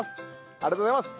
ありがとうございます！